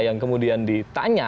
yang kemudian ditanya